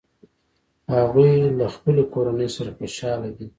هغوی له خپلې کورنۍ سره خوشحاله دي